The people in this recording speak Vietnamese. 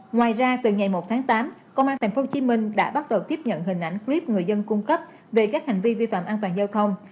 ngoài ra từ ngày một tháng tám công an tp hcm đã bắt đầu tiếp nhận hình ảnh clip người dân cung cấp về các hành vi vi phạm an toàn giao thông